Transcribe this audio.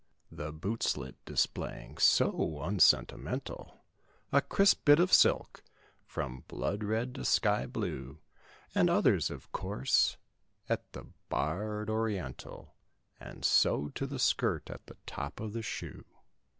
The boot slit, displaying, so unsentimental, A crisp bit of silk, from blood red to sky blue. And others of course of the barred oriental And sewed to the skirt at the top of the shoe.